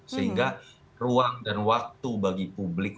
sehingga ruang dan waktu bagi publik